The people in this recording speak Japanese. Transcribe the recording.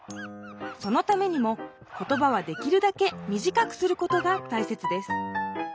そのためにも言葉はできるだけみじかくすることがたいせつです。